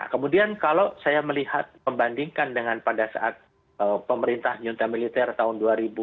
kemudian kalau saya melihat membandingkan dengan pada saat pemerintah nyunta militer tahun dua ribu tiga belas dua ribu empat belas dua ribu lima belas